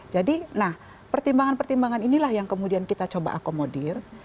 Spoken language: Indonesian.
jadi pertimbangan pertimbangan inilah yang kemudian kita coba akomodir